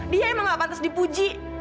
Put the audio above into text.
dia emang gak pantas dipuji